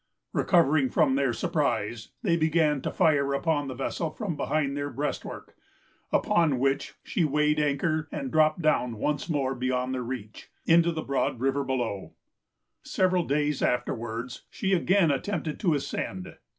Recovering from their surprise, they began to fire upon the vessel from behind their breastwork; upon which she weighed anchor, and dropped down once more beyond their reach, into the broad river below. Several days afterwards, she again attempted to ascend.